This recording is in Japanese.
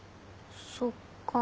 そっか。